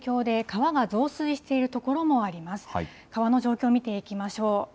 川の状況見ていきましょう。